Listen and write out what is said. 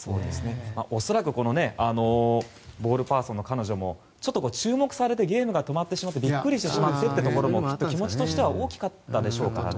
恐らくボールパーソンの彼女もちょっと注目されてゲームが止まってしまってびっくりしてしまってというところも気持ちとしては大きかったでしょうからね。